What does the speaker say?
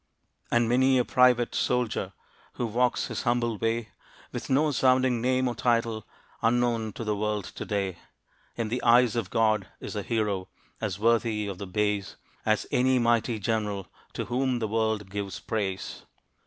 And many a private soldier, Who walks his humble way, With no sounding name or title, Unknown to the world to day, In the eyes of God is a hero As worthy of the bays, As any mighty General To whom the world gives praise.